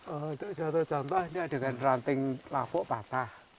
untuk jatuh contoh ini ada kan ranting lapuk patah